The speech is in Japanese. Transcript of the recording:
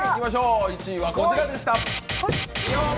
１位はこちらでした。